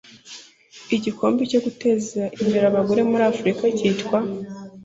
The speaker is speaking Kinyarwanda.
igikombe cyo guteza imbere abagore muri afurika cyitwa